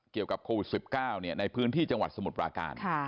เกี่ยวกับโควิด๑๙ในพื้นที่จังหวัดสมุทรปราการ